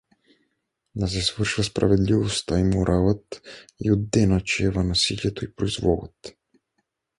Де се свършва справедливостта и моралът и отде начева насилието и произволът?